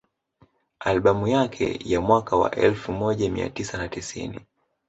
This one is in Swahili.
Albamu yake ya mwaka wa elfu moja mia tisa na tisini